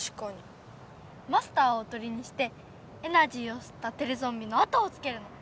マスターをおとりにしてエナジーをすったテレゾンビの後をつけるの。